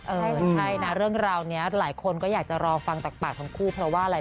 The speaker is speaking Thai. ใช่นะเรื่องราวนี้หลายคนก็อยากจะรอฟังจากปากทั้งคู่เพราะว่าอะไร